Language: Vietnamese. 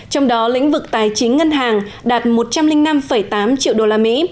trong đó lĩnh vực tài chính ngân hàng đạt một trăm linh năm tám triệu đô la mỹ